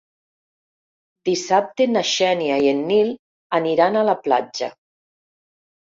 Dissabte na Xènia i en Nil aniran a la platja.